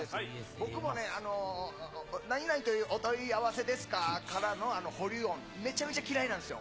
僕もね、なになにというお問い合わせですか？からの保留音、めちゃめちゃ嫌いなんですよ。